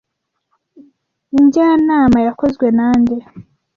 Njyanama yakozwe na nde